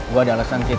gue ada alasan kid